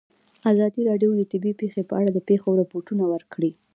ازادي راډیو د طبیعي پېښې په اړه د پېښو رپوټونه ورکړي.